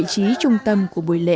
và đặt ở vị trí trung tâm của buổi lễ